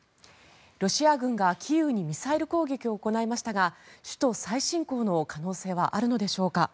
ロシア軍がキーウにミサイル攻撃を行いましたが首都再侵攻の可能性はあるのでしょうか。